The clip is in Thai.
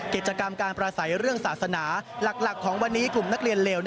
กิจกรรมการประสัยเรื่องศาสนาหลักของวันนี้กลุ่มนักเรียนเลว